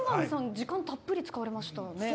時間たっぷり使われましたね